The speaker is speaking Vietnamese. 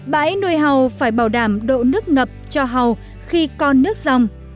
bãi nuôi hàu phải bảo đảm độ nước ngập cho hàu khi con nước dòng